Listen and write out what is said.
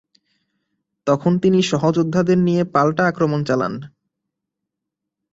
তখন তিনি সহযোদ্ধাদের নিয়ে পাল্টা আক্রমণ চালান।